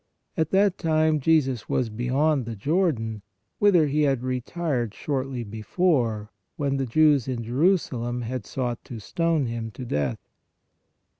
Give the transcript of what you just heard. At that time Jesus was beyond the Jordan, whither He had retired shortly before, when the Jews in Jerusalem had sought to stone Him to death.